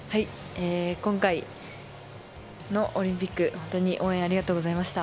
今回のオリンピック、本当に応援ありがとうございました。